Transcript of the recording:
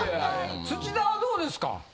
土田はどうですか？